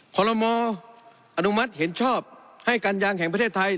ขอรมออนุมัติเห็นชอบให้การยางแห่งประเทศไทย